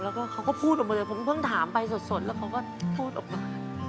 แล้วก็เขาก็พูดออกมาเลยผมเพิ่งถามไปสดแล้วเขาก็พูดออกมา